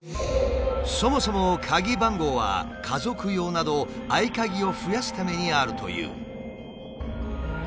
そもそも鍵番号は家族用など合鍵を増やすためにあるという。